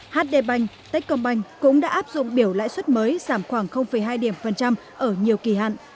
hd banh tết công banh cũng đã áp dụng biểu lãi suất mới giảm khoảng hai điểm phần trăm ở nhiều kỳ hạn